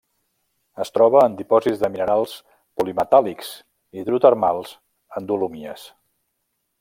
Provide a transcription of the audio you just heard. Es troba en dipòsits de minerals polimetàl·lics hidrotermals en dolomies.